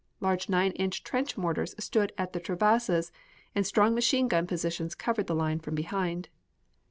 Large nine inch trench mortars stood at the traverses and strong machine gun positions covered the line from behind.